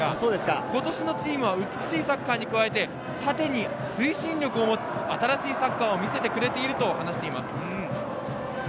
今年のチームは美しいサッカーに加えて縦に推進力を持つ新しいサッカーを見せてくれていると話しています。